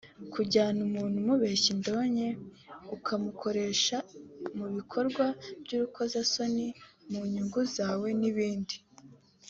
kujyana umuntu umubeshya indonke ukamukoresha mu bikorwa by’urukozasoni mu nyungu zawe n’ibindi